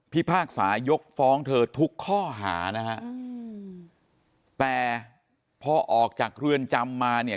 พากษายกฟ้องเธอทุกข้อหานะฮะแต่พอออกจากเรือนจำมาเนี่ย